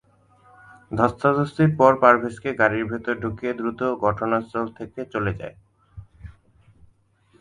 ধস্তাধস্তির পর পারভেজকে গাড়ির ভেতর ঢুকিয়ে দ্রুত ঘটনাস্থল থেকে চলে যায়।